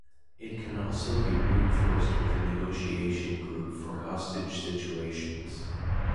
It can also be reinforced with a negotiation group for hostage situations.